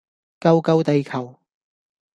救救地球